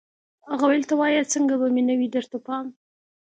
هغه ویل ته وایه څنګه به مې نه وي درته پام